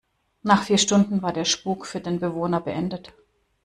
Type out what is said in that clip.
Nach vier Stunden war der Spuck für den Bewohner beendet.